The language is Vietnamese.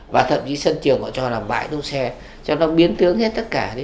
và thậm chí sân trường họ cho làm bãi đỗ xe cho nó biến tướng hết tất cả